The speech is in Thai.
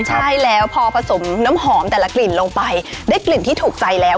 ใช่แล้วพอผสมน้ำหอมแต่ละกลิ่นลงไปได้กลิ่นที่ถูกใจแล้ว